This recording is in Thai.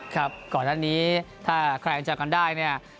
ครับก่อนอันนี้ถ้าใครจำกันได้เนี่ย